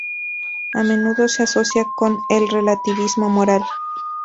A menudo se asocia con el relativismo moral.